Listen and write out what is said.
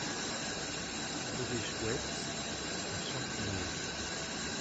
Rue des Chouettes à Champniers